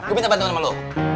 gue minta bantuan sama lo